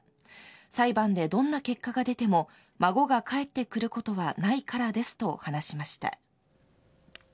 裁判でどんな結果が出ても、孫が帰ってくることはないからですと、話しました。